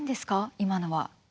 今のは。